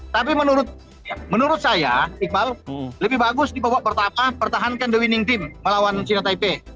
tapi menurut saya iqbal lebih bagus di babak pertama pertahankan the winning team melawan china taipei